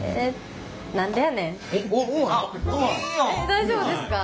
大丈夫ですか？